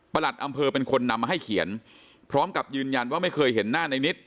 หลัดอำเภอเป็นคนนำมาให้เขียนพร้อมกับยืนยันว่าไม่เคยเห็นหน้าในนิด